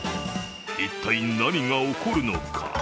一体、何が起こるのか？